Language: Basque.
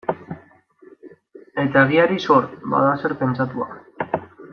Eta egiari zor, bada zer pentsatua.